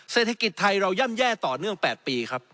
เศรษฐกิจไทยเราย่ำแย่ต่อเนื่อง๘ปีครับ